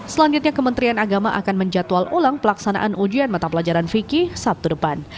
selanjutnya kementerian agama akan menjatual ulang pelaksanaan ujian mata pelajaran fikih sabtu depan